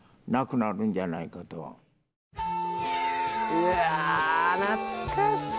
うわ懐かしい！